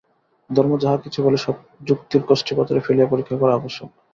ধর্ম যাহা কিছু বলে, সবই যুক্তির কষ্টিপাথরে ফেলিয়া পরীক্ষা করা আবশ্যক।